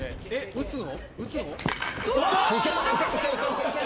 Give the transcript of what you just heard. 打つの？